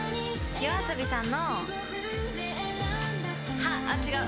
ＹＯＡＳＯＢＩさんの「ハ」あっ違う